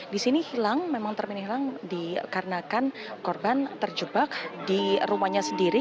di sini hilang memang termini hilang dikarenakan korban terjebak di rumahnya sendiri